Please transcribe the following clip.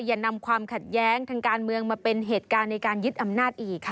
อย่านำความขัดแย้งทางการเมืองมาเป็นเหตุการณ์ในการยึดอำนาจอีกค่ะ